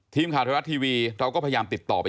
ทีมข่าวไทยรัฐทีวีเราก็พยายามติดต่อไป